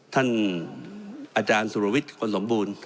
ท่านอาจารย์สุรวิทย์คนสมบูรณ์